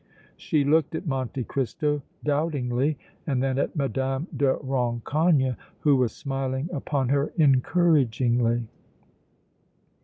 She looked at Monte Cristo doubtingly and then at Mme. de Rancogne, who was smiling upon her encouragingly.